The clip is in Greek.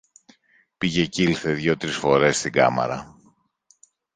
πήγε και ήλθε δυο-τρεις φορές στην κάμαρα.